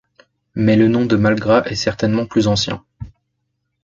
Mais le nom de Malgrat est certainement plus ancien.